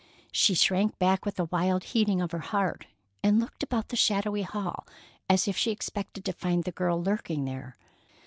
She shrank back with a wild heating of her heart, and looked about the shadowy hall as if she expected to find the girl lurking there.